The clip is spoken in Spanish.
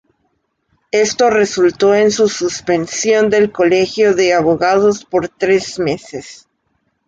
Esto resultó en su suspensión del Colegio de Abogados por tres meses.